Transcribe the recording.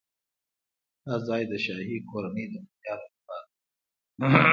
دا ځای د شاهي کورنۍ د بندیانو لپاره و.